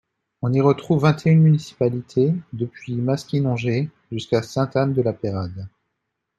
On y retrouve vingt-et-une municipalités depuis Maskinongé jusqu’à Sainte-Anne-de-la-Pérade.